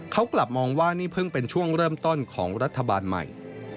เขากลับมองว่านี่เพิ่งเป็นช่วงเริ่มต้นของรัฐบาลใหม่